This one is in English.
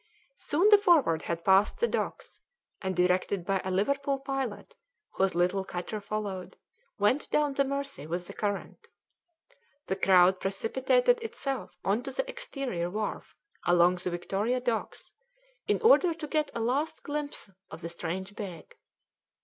Soon the Forward had passed the docks, and directed by a Liverpool pilot whose little cutter followed, went down the Mersey with the current. The crowd precipitated itself on to the exterior wharf along the Victoria Docks in order to get a last glimpse of the strange brig.